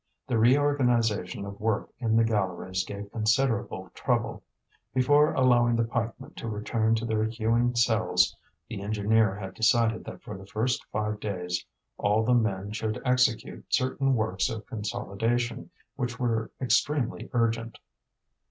The reorganization of work in the galleries gave considerable trouble. Before allowing the pikemen to return to their hewing cells, the engineer had decided that for the first five days all the men should execute certain works of consolidation which were extremely urgent.